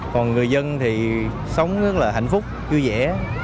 còn người dân thì sống rất là hạnh phúc vui vẻ